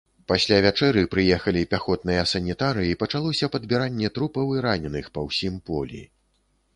Пасля вячэры прыехалі пяхотныя санітары, і пачалося падбіранне трупаў і раненых па ўсім полі.